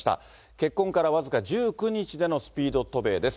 結婚から僅か１９日でのスピード渡米です。